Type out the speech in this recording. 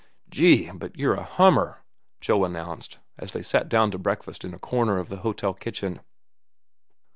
"Gee, but you're a hummer!" Joe announced, as they sat down to breakfast in a corner of the hotel kitchen.